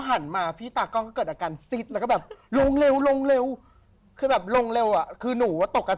มันไม่เป็นไรหรอกนั่งได้